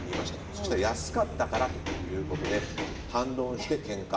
そしたら安かったからということで反論してけんか。